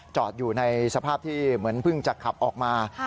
จอดอยู่ในสภาพที่เหมือนเพิ่งจะขับออกมา